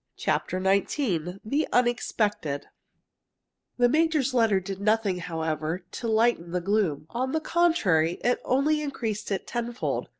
CHAPTER XIX THE UNEXPECTED The major's letter did nothing, however, to lighten the gloom. On the contrary, it only increased it tenfold.